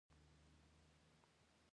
هېڅ بدلون ترې په خپلسر نه وي رامنځته شوی.